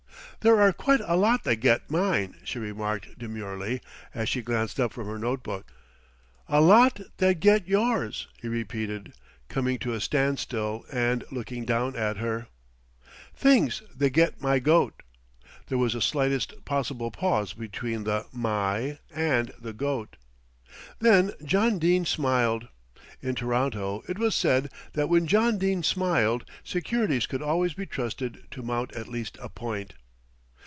"There are quite a lot that get mine," she remarked demurely, as she glanced up from her note book. "A lot that get yours," he repeated, coming to a standstill and looking down at her. "Things that get my goat." There was the slightest possible pause between the "my" and the "goat." Then John Dene smiled. In Toronto it was said that when John Dene smiled securities could always be trusted to mount at least a point.